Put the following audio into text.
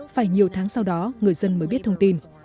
phải nhiều tháng sau đó người dân mới biết thông tin